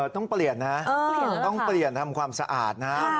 ต้องเปลี่ยนนะต้องเปลี่ยนทำความสะอาดนะ